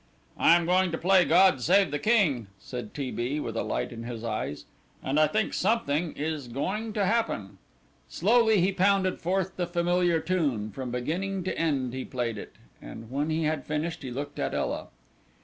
"I am going to play 'God save the King,'" said T. B. with a light in his eyes, "and I think something is going to happen." Slowly he pounded forth the familiar tune; from beginning to end he played it, and when he had finished he looked at Ela.